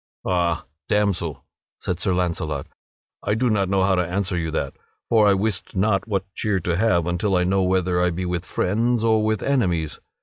"Ha, damsel," said Sir Launcelot, "I do not know how to answer you that, for I wist not what cheer to have until I know whether I be with friends or with enemies.